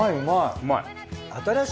うまい。